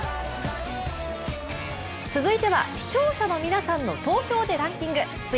続いては視聴者の皆さんの投票でランキング。